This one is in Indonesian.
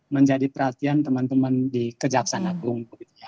menjadi perhatian teman teman di kejaksaan agung